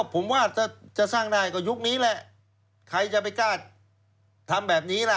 ผมว่าถ้าจะสร้างได้ก็ยุคนี้แหละใครจะไปกล้าทำแบบนี้ล่ะ